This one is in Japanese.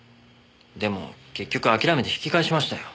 でも結局諦めて引き返しましたよ。